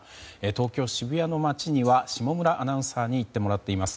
東京・渋谷の街には下村アナウンサーに行ってもらっています。